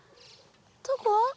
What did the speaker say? どこ？